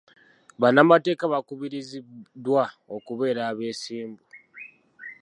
Bannamateeka bakubirirziddwa okubeera abeesimbu.